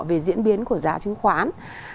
về diễn biến của giá trứng khoán